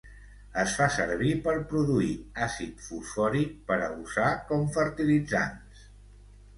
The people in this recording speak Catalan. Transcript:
Es fa servir per produir àcid fosfòric per a usar com fertilitzants.